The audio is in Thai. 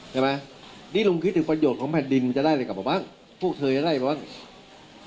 ใช่ไหมนี่ลุงคิดถึงประโยชน์ของแผ่นดินมันจะได้อะไรกลับมาบ้างพวกเธอจะได้บ้าง